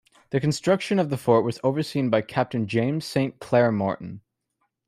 The construction of the fort was overseen by Captain James Saint Clair Morton.